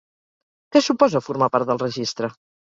Què suposa formar part del registre?